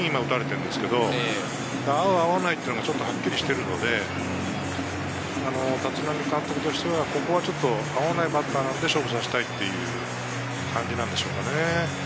合う合わないというのがはっきりしているので、立浪監督としてはここは合わないバッターなので、勝負させたいという感じなのでしょうか。